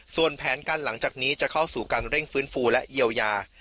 ส่วนแผนการหลังจากนี้จะเข้าสู่การเร่งฟื้นฟูและเยียวยา